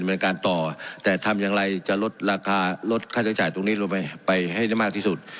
เป็นการต่อแต่ทำอย่างไรจะลดราคาลดค่าใช้จ่ายตรงนี้ลงไปไปให้ได้มากที่สุด